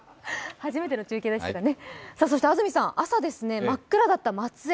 初めての中継でしたね。